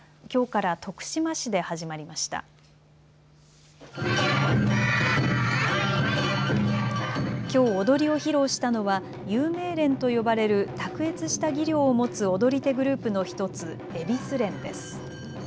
きょう踊りを披露したのは有名連と呼ばれる卓越した技量を持つ踊り手グループの１つゑびす連です。